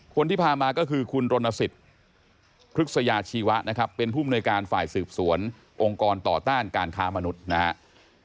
คนที่พามาก็คือคุณรณสิทธิ์พฤกษยาชีวะนะครับเป็นผู้มนวยการฝ่ายสืบสวนองค์กรต่อต้านการค้ามนุษย์นะครับ